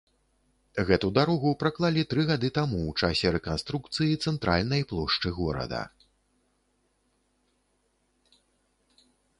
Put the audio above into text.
Гэту дарогу праклалі тры гады таму ў часе рэканструкцыі цэнтральнай плошчы горада.